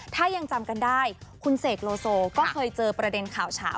ถ้ายังจำกันได้คุณเสกโลโซก็เคยเจอประเด็นข่าวเฉา